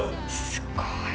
すごい。